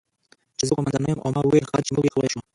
چې زه قوماندانه یم او ما وویل: 'ښکاري چې موږ یې کولی شو'.